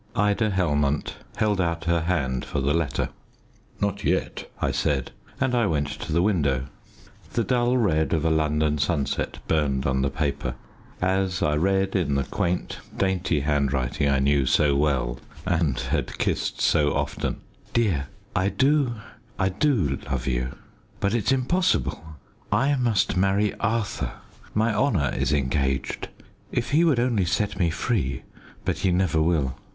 Ida Helmont held out her hand for the letter. "Not yet," I said, and I went to the window. The dull red of a London sunset burned on the paper, as I read in the quaint, dainty handwriting I knew so well and had kissed so often "Dear, I do I do love you; but it's impossible. I must marry Arthur. My honour is engaged. If he would only set me free but he never will.